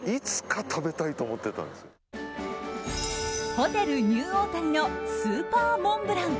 ホテルニューオータニのスーパーモンブラン。